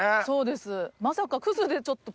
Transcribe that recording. そうですまさか。